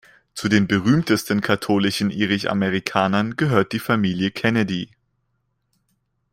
Zu den berühmtesten katholischen Irisch-Amerikanern gehört die Familie Kennedy.